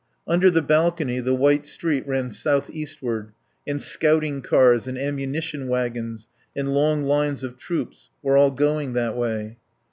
Under the balcony the white street ran southeastward, and scouting cars and ammunition wagons and long lines of troops were all going that way.